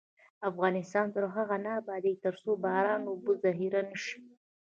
افغانستان تر هغو نه ابادیږي، ترڅو باران اوبه ذخیره نشي.